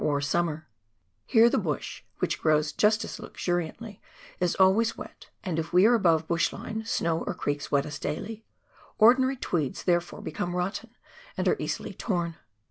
151 or summer ; here the bush, which grows just as luxuriantly, is always wet, and if we are above the bush line, snow or creeks wet us daily ; ordinary tweeds therefore become rotten and are easily torn.